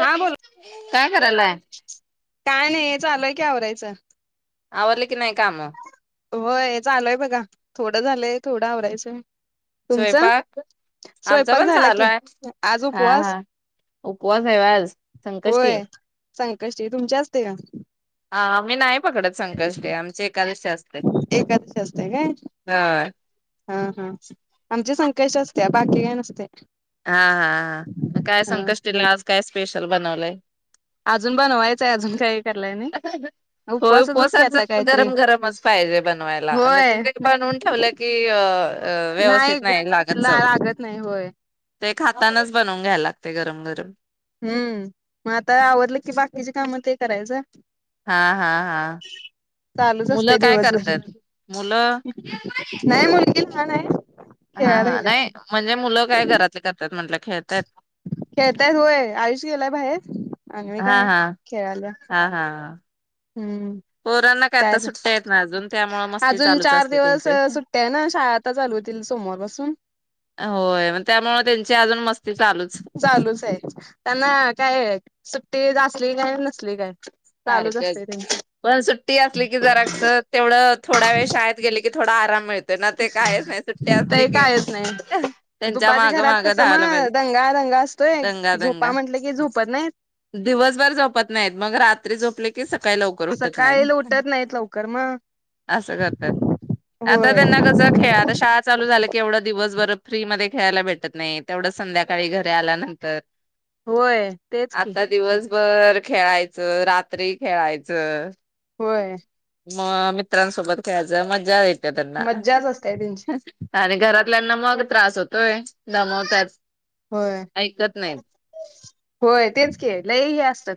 हा बोल काय करायलाय. काय नाही चालू हाय की आवरायचं. आवरले की नाही काम. होय चालूय बघा थोडं झालंय थोडं आवरायचं. तुमचं स्वयंपाक आमचा स्वयंपाक पण झाला चालू की आहे आज हा उपवास हा उपवास आहे आज संकष्टी होय संकष्टी तुमची असते का हा आम्ही नाही पकडत संकष्टी आमचे एकादशी असत्यात एकादशी असते काय हा. हा हा. आमचे संकष्टी असतीया बाकी काही नसतय. हा हा काय ह संकष्टी आज काय स्पेशल बनवलंय. अजून बनवायचंय अजून काही करलाय नाही होय उपवासाचच की उपवासाच आता काहीतरी गरम गरमच पाहिजे बनवायला आणि होय तिथे बनवून ठेवलं की अ व्यवस्थित नाही लागत चव. नाही होय ते खातनाच बनवून घ्यायला लागते गरम गरम. हम्म मग आता आवडलं कि बाकीची कामं ते करायचं. हा हा हा. चालूच मुलं असते काय दिवसभर करतात? मुलं नाही मुलगी [unintelligible] हा खेळायला हा गेल्या नाही म्हणजे मुलं काय घरातले करतात म्हटलं. खेतात. खेळतायत होय आयुष्य गेलाय बाहेर. आणि मी हा काय हा खेळाल्या हा हा. हम्म पोरांना काय आता सुट्या आहेत ना अजून. त्यामुळे मस्ती अजून चालूच चार असते दिवस त्यांचे सुट्ट्या आहे ना शाळा आता चालू होतील सोमवार पासून होय म त्यामुळे त्यांची अजून मस्ती चालूच चालूच आहे त्यांना काय सुट्टी असली काय नी नसली काय. चालूच सारख असते त्यांची पण सुट्टी असली की जरास तेवढं थोड्या वेळ शाळेत गेले की थोडा आराम मिळतो. ते कायच नाही त्यांच्या दुपाच्या मागं घरात मागं कसं म धावायला पाहिजे दंगा दंगा असतोय दंगा झोपा दंगा म्हटलं की झोपत नाही. दिवसभर झोपत नाहीत मग रात्री झोपले की का लवकर होत नाही उठत नाहीत लवकर मग अस करतात आता होय त्यांना कस खेळ आता शाळा चालू झा केवढं दिवसभर फ्री मध्ये खेळायला भेटत नाही तेवढं संध्याकाळी घरी आल्यानंतर. होय तेच की. बर खेळायचं - - रात्री खेळायचं. होय. मग मित्रांसोबत खेळायचं मज्जा येत मज्जाच असते त्यांची [unintelligible] आणि घरातल्यांना मग त्रास होतोय. दमवतात होय ऐकत नाहीत होय तेच की लई हे असतात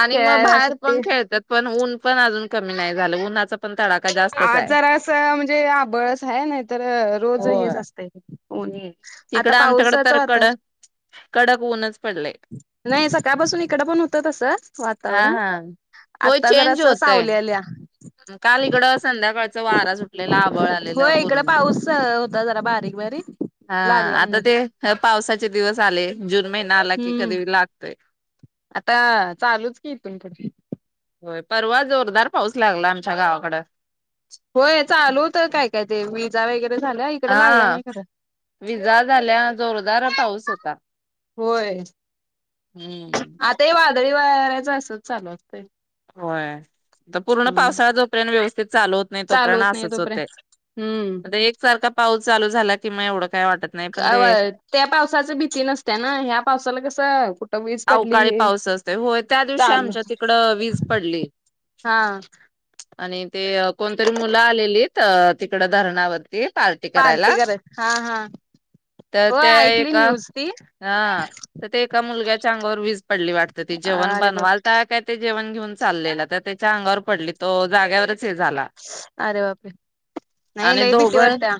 आणि म खेळायला बाहेर सुट्टी पण खेळतात पण ऊन पण अजून कमी नाय झाल उन्हाचा पण तडा आज जरासं म्हणजे आबळस हाय नाही तर रोज हेच होय असतय ऊन हम्म आता तिकडं आमच्याकडे पावसाच तर वातर कडक कडक ऊनच पडलंय नाही सकाळपासून इकड पण होत तस हा वातावरण हा होय आता चेंज जरास होतय. सावली आलीया काल इकडं सांग संध्याकाळ वारा सुटलेला आबळ आलेला होय इकड पूर्ण पाऊस होता जरा बारीक बारीक हा लागला आता म्हणून ते पावसाचे दिवस आले जून महिना नालाकी हम्म कधी लागतय आता चालूच की इथून पुडे होय परवा जोरदार पाऊस लागला आमच्या गावाकड होय चालू होत काय काय ते विजा वगैरे झाल्या इकडे लागला हा नाही खरं विजा झाल्या जोरदार पाऊस होता होय हम्म तरी वाराच असच चालू असतय. होय आत पूर्ण पावसाळ जोपल ना व्यवस्थित ते चालू होत नाही चालू तोपर्यंत होत नाही असच होतय तोपर्यंत हम्म आता एक सारखा पाऊस चालू झाला की [unintelligible] अ व त्या पावसाच भीती नसत्य ना ह्या पावसाला कसं कुठं वीज पडली अवकाळी हे पाऊस असते होय त्या दिवशी चालू आमच्या तिकड वीज पडली हा आणि ते कोणतरी मुलं आलेलीत त तिकड धरणावर ए पार्टी करायला करत हा हा तर हो ते ऐकली एका न्यूज ती हा ते एका मुलग्या तिच्या अंगावर वीज पडली वाटत ती जेण अरे बाप बनवालता काय ते जेवण घेऊन चालले त्याच्या अंगावर पडली तो जागेवरच चे झाला अरे बापरे नाही आणि लई दोघ भीती वाटत्या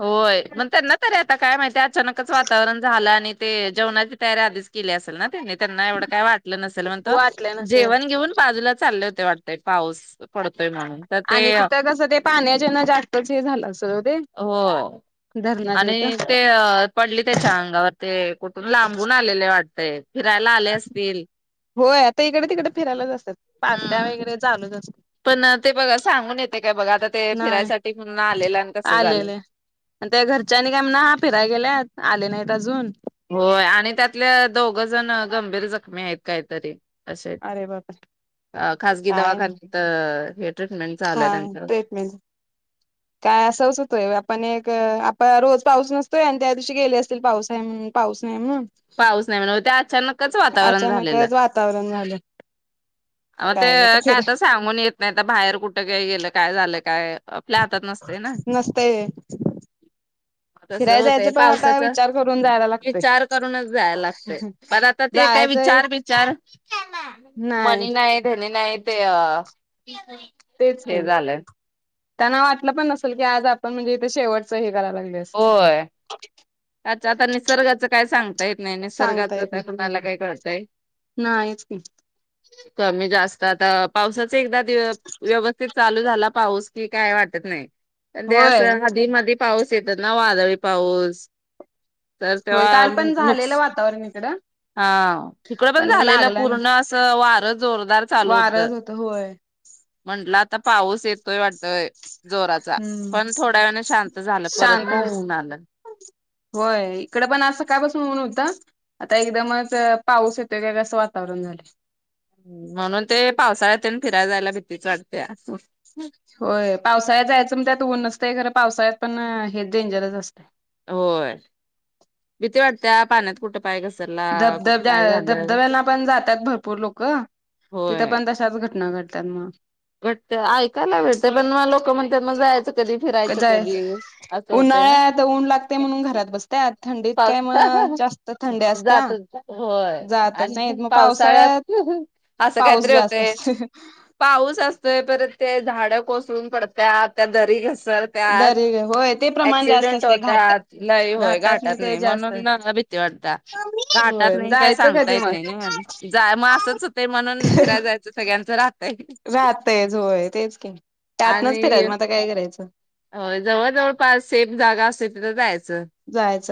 होय मग त्यांना तरी आता काय माहिती अचानच वातावरण झालं आणि ते जेवणाची तयारी आधीच केली असेल ना. त्यांनीच त्यांना एवढं काय वाटलं नसेल मण तो वाटल्या नसेल जेवण घेऊन बाजूला चालले हो वाटतय पाऊस पडतोय म्हणून तर ते आणि तिथं कसं ते पाण्याचे ना जास्तच हे झालं असेल ओ ते हो धरणाच्या आणि इथं ते पडली त्याच्या अंगावर ते. कुठून लांबून आलेले वाटतय फिरायला आले असतील. होय आता इकडे तिकडे फिरायलाच असतात पार्ट्या हम्म. वगैरे चालूच असतात. पण ते बघा सांगून येतंय काय बघा आता ते नाही फिरायसाठी म्हणून आलेलं आणि तसं झालं. आलेले आणि त्या घरच्यांनी काय म्हणा हा फिराय गेल्यात आले नाहीत अजून होय आणि त्यातले दोघ जण गंभीर जखमी आहेत काहीतरी असे अरे बापरे अ खजगी काय दवाखानत हा ट्रेडमिल काय असंच होतोय आपण एक आप रोज पाऊस नसतोय आणि त्या दिवशी गेले असतील पाऊस आहे पाऊस नाही म्हणून पाऊस नाही म्हंण ते अचानकच वातावरण झालेलं अचानकच वातावरण झालं मग ते आता काय तर सांगून येत नाही तर बाहेर कुठं काय गेलं काय झालं. काय आपल्या हातात नसते ना. नसतंय व्हं. तसं होतय पावसाचा करून जायला लागतोय विचार करूनचं जायला लागतंय पण आता ते काय जायचंय विचार बिचार [unintelligible] मणी नाही धा मी नाही ते तेच ते की झालं. त्यांना वाटलं पण नसेल की आज आपण म्हणजे इथे शेवटचं हे कर होय अच्छा आता निसर्गाचं काय सांगता येत नाही सांगता निसर्गाचं येत काय कुणाला काय कळत काय? नाही ही. कमी जास्त आता पावसाच एकदा व्यवस्थित चालू झाला पाऊस कि काय वाटत नाही. अ ते होय असं आधी मधी पाऊस शेतात ना वादळी पाऊस तर होय. तेव्हा काल पण झालेलं नुकस वातावरण इकडं. हा इकडं पण झालेलं लागला पूर्ण नाही असं वार जोरदार चालू होत वारच म्हण होय म्हणलं आता पाऊस येतोय वाटतं. हम्म झालं परत शांत मग ऊन आलं. होय इकडं पण आज सकाळ पासून ऊन हो ता आता एकदमच पाऊस येतोय काय असं वातावरण झालंय. म्हणून ते पावसाळ्यात फिराय जायला भीतीच वाटतीया होय पावसाळ्यात जायचं म्हणत्यात ऊन नसतयं खरं पावसाळ्यात पण हे डेंजरच असतय होय भीती वाटत्या पाण्यात कुठं पाय घसरला कुठं काय धबधब्या झालं. धबधब्याना पण जातात भरपूर लोक का. तिथं होय. पण तशाच घटना घड त्यांना घट्ट ऐकायला भेटते पण मग लोक म्हणतात मग जायचं कधी फिरायच जाय कधी अस होतयना उन्हाळ्यात ऊन लागते म्हणून घरात बसत्यात थंडीत काय पावसा ह मग जास्त थंड्या ह असत्या. जातोत होय जातच नाहीत आणखीन मग पावसाळ्यात ह ह अस पाऊस काहीतरी जास्त होतय असतोय पाऊस असतेय परत ते झाड कोसळून पडत्यात त्या दरीघस तर त्यात दरी होय ते प्रमाण जास्त ऍक्सिडेंट असतंय घाट होत्यात लय होय घाटात नाही ते नाई जास्त म्हणून ना मा भीती वाटत्या घाटात होय नाही काही जायचं सांगता कधी येत मग. नाही नाही म जाय म्हणून असंच होत म्हणून फिरायला जायचं सगळ्यांचं राहतय. राहतयच होय तेच की त्यातनच आणि फिरायचं मग आता काय करायच ल जाय जायाच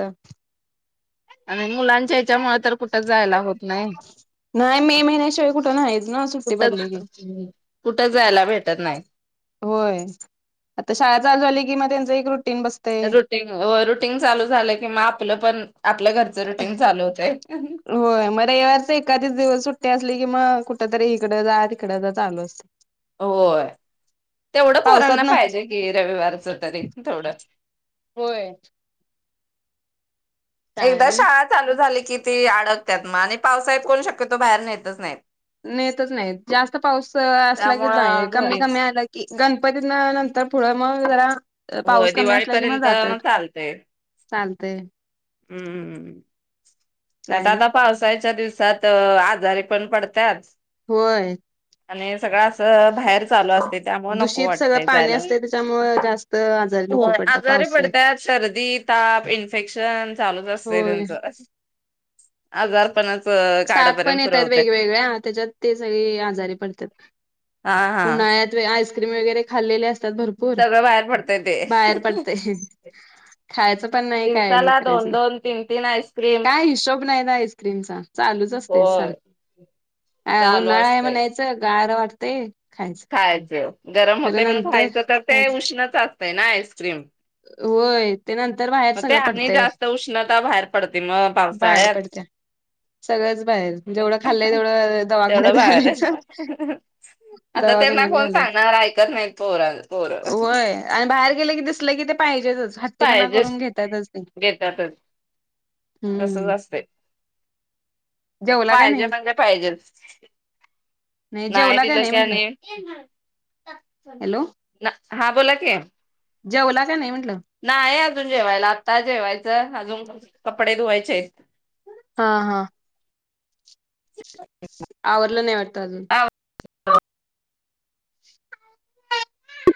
आणि मुलांच्या याच्या मुळं नाही. मे महिन्याशिवाय कुठं नाहीच ना सुट्टी कुठं पडलेली कुठं जायला भेटत नाही. होय आता शाळा चालू झाली कि म त्यांच एक रुट रुटींग हो रुटींग चालू झालं कि आपलं पण आपल्या घरचं रुटीन चालू होतंय होय म रविवार च एकाध दिवस सु असली कि मग कुठ तरी इकडं जा तिकडं जा चालू असत. होय. तेवढं पोरांना पावसात ना पाहिजे कि रविवारच तरी थोडं होय काय एकदा नाही शाळा चालू झाली- किती अडकत्यात मग आणि पावसाळ्यात कोण शक्यतो बाहेर नेतच नाहीत. नेतच नाही जास्त पाऊस असला की नाही त्यामुळं कमी कमी घरीच आला की गणपतींना नंतर पुढं मग जरा- हो पाऊस दिवाळीपर्यंत चालतय चालतेय हम्म, नाही तर आता पावसाळ्याच्या दिवसा त्यात आजारी पण पडत्यात. होय आणि सगळा अ अ बाहेरून चालूच असत त्यांच- दूषित सगळं पाणी असते त्याच्यामुळे जास्त आजारी लोक पडतात पावसाळ्यात. होय आजार पणाच साप पण येत्यात वेगवेगळ्या त्याच्यात ते सगळी आजारी पडत्यात हा हा ऊन्हाल्यात वय आयस आईसक्रीम वैगेरे खाल्लेली असत्यात त्यात भरपूर सगळं बाहेर पडतय ते. बाहेर पडतय खायच पण नाही काय दिवसाला करायच दोन नाही दोन तीन तीन आईस्क्रीम काय हिशोब नाही ना आईस्क्रीमचा चालूच असतय होय सारख हा चालू उन्हाळा आहे म्हणायचं गार वाट ते खायच गरम होते म्हणून नंतर खायचं तर ते खायचं उष्णच अस घे ना आईस्क्रिम होय ते नंतर बाहेर मग ते सगळं आणि पडतंय जास्त उष्णता बाहेर पडते मग बाहेर पावसाळ्यात पडत्या. सगळंच बाहेर जेवढं खाल्लंय तेवढ दवाखान्यात तेवढं बाहेरच घालायच आता त्यांना दवाखान्यात कोण घालायच सांगणार ऐकत नाहीत पोर पोर होय आणि बाहेर गेलं कि पाहिजेलच. पाहिजेच घेतातच तसच हम्म असतय जेवला काय पाहिजे नाही म्हणजे पाहिजे. नाही जेवला दिल काय म्हंटलं त्याने हॅलो ना हा बोला की जेवला काय नाही म्हग. नाही अजून जेवायला आत्ता जेवायचं. आजुन कपडे धुवायचे आहेत. हा हा आवरलं नाही वाटत अजून [unintelligible]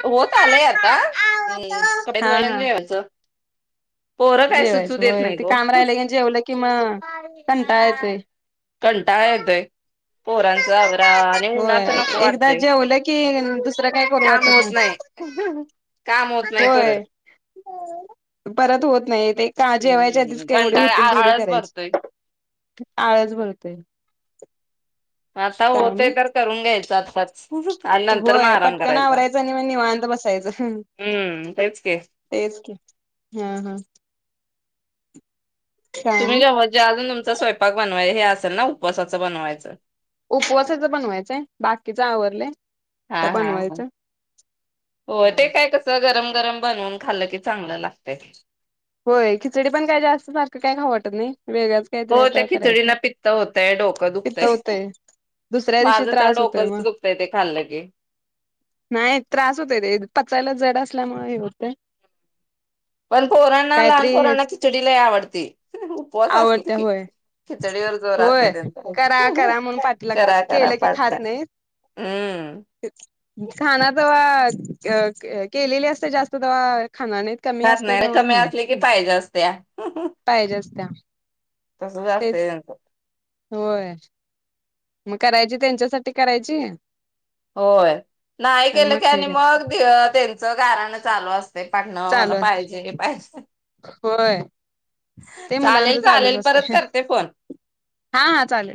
होत आलयात. हा हम कपडे हा धुवायच आणि हा जेवायचं. पोरं काय सुचू जेवायचं देत होय नाहित ते ओ काम राहिलं की जेवलं कि मग कंटाळा येतोय कंटाळा येतोय. पोरांचा आवरा आणि होय उन्हाचं नको एकदा वाटतंय जेवलं की दुसरं काय करू वाटत काम होत नाही. काम होत नाही परत होय परत होत नाही ते का जेवायच्या आधीच हम्म केवढे कंटाळा होतील तेवढी आळस भरतोय. करायचे. आळस भरतोय. आता काय होते आणि तर करून घ्यायच. सच होय पटकन आवरायचं आणि मग निवांत बसायचं हम्म तेच की तेच हम काय तुम्हीे नाही जेव्हायचं अजून तुमचा स्वयंपाक बन बाय हे असेल ना उपवासाचं बनवायचं. उपवासाचं बनवायचय बाकीच आवरलय. हा हा हा हो ते काय कस गरम गरम बनून खाल्लं की चांगलं लागत होय खिचडी पण काय जास्त सारख काय ख वाटत नाही वेगळंच हो काहीतरी त्या आता करायचं खिचडीना पित्त होतय डोकं पित्त दुखतय होतय दुसऱ्या दिवशी माझं तर त्रास होतोय डोकं मग दुखतय ते खाल्लं की नाही त्रास होतोय ते पचायला जड असल्यामुळे हे होते. पण पोरांना लहान पोरांना खिचडी लाय आवडते उपवास आवडत असलि होय खिचडीवर जोर असत होय त्यांचा करा करा म्हणून पाठी लागतात करा करा केलं की पाटल्या खात हम्म खाण तेव्हा केलेली असते जास्त तेव्हा खानाने कमी खात असते नाही तेव्हा कमी खाण असली पाहिजे असत्या सत्या तस असतेया स होय मग करायची त्यांच्यासाठी करायची, होय नाही केलं की हे आणि कर मग त्यां कारण चालू असतं. ते पाटण चालू मला असते पाहिजे पाहिजे होय ते मुलांच चालेल चालूच चालेल परत असते करते फोन हा हा चालेल